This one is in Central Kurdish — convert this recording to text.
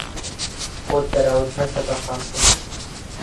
خۆت بەراورد مەکە بە قاسم.